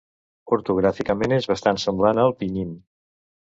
Ortogràficament és bastant semblant al Pinyin.